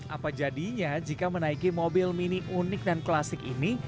apa jadinya jika menaiki mobil mini unik dan klasik ini